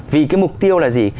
vì cái mục tiêu là gì